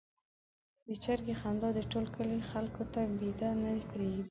د چرګې خندا د ټول کلي خلکو ته بېده نه پرېږدي.